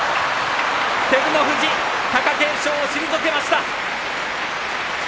照ノ富士、貴景勝を退けました。